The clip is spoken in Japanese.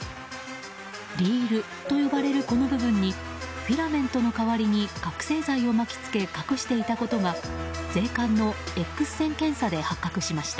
リールと呼ばれるこの部分にフィラメントの代わりに覚醒剤を巻き付け隠していたことが税関のＸ線検査で発覚しました。